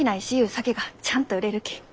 酒がちゃんと売れるき。